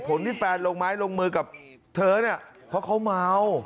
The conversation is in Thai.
เผาเม่า